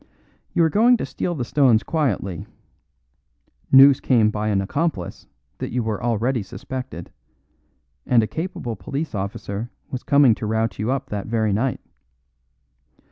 You were going to steal the stones quietly; news came by an accomplice that you were already suspected, and a capable police officer was coming to rout you up that very night.